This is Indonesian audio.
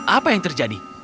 apa yang terjadi